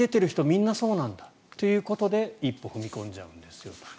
みんなそうなんだということで一歩踏み込んじゃうんですよと。